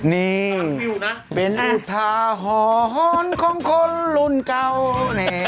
นี่เป็นอุทาหรณ์ของคนรุ่นเก่า